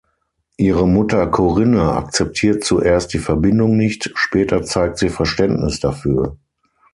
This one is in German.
Ihre Mutter Corinne akzeptiert zuerst die Verbindung nicht, später zeigt sie Verständnis dafür.